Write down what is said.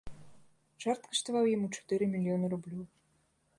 Жарт каштаваў яму чатыры мільёны рублёў.